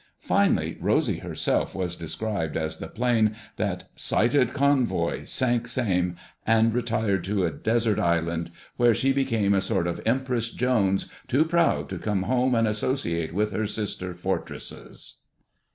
Finally Rosy herself was described as the plane that "sighted convoy, sank same, and retired to a desert island, where she became a sort of Empress Jones, too proud to come home and associate with her sister Fortresses."